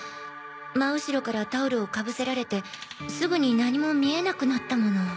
真後ろからタオルをかぶせられてすぐに何も見えなくなったもの。